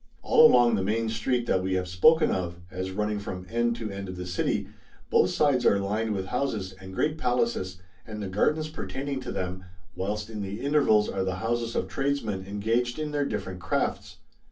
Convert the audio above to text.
All along the main street that wc have spoken of, as running from end to end of the city, both sides are lined with houses and great j)alaccs and the gardens pertaining to them, whilst in the intervals are the iiouscs of tradesmen engaged in their ditferent crafts.